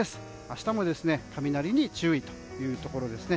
明日も雷に注意というところです。